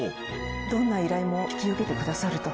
「どんな依頼も引き受けてくださると」